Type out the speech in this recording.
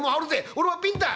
俺もピンだ！」。